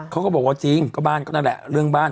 เขาก็บอกว่าจริงก็บ้านก็นั่นแหละ